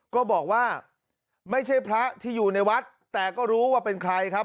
ก็บอกว่าไม่ใช่พระที่อยู่ในวัดแต่ก็รู้ว่าเป็นใครครับ